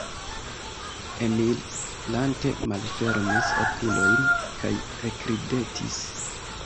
Emil lante malfermis okulojn kaj ekridetis.